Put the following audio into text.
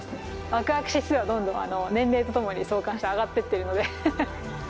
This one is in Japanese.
ワクワク指数はどんどん年齢とともに相関してあがっていってるので。